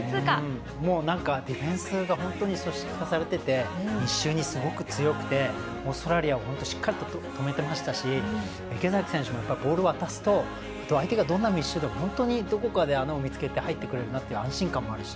ディフェンスが完成されてて密集に強くてオーストラリアをしっかりと止めてましたし池崎選手もボールを渡すと相手がどんなふうにしていても穴を見つけて入ってくれるという安心感もある。